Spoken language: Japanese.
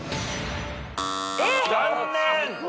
残念。